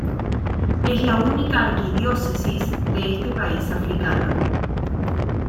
Es la única arquidiócesis de este país africano.